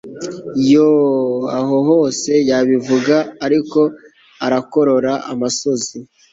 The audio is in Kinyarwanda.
Yoooooooaho hose yabivuga ariko arakorora amosozi